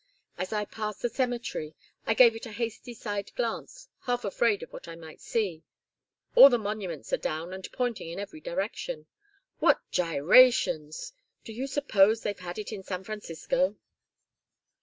As I passed the cemetery I gave it a hasty side glance, half afraid of what I might see. All the monuments are down and pointing in every direction. What gyrations! Do you suppose they've had it in San Francisco?"